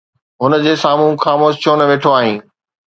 هن جي سامهون خاموش ڇو نه ويٺو آهين؟